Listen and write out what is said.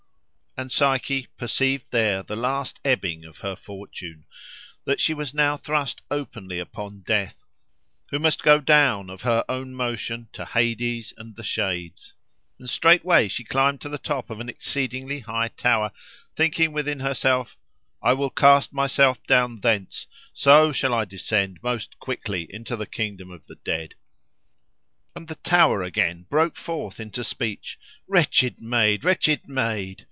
And Psyche perceived there the last ebbing of her fortune—that she was now thrust openly upon death, who must go down, of her own motion, to Hades and the Shades. And straightway she climbed to the top of an exceeding high tower, thinking within herself, "I will cast myself down thence: so shall I descend most quickly into the kingdom of the dead." And the tower again, broke forth into speech: "Wretched Maid! Wretched Maid!